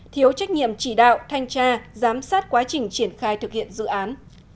thiếu trách nhiệm chỉ đạo thanh tra giám sát quá trình triển khai thực hiện dự án